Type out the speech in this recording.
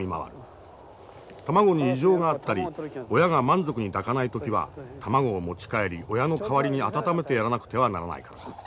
卵に異常があったり親が満足に抱かない時は卵を持ち帰り親の代わりに温めてやらなくてはならないからだ。